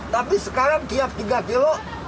tapi sekarang tiap tiga kilo